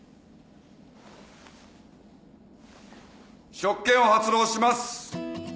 職権を発動します。